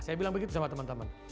saya bilang begitu sama teman teman